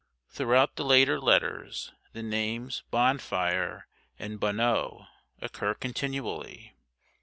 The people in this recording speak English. Throughout the later letters the names Bonfire and Bonneau occur continually.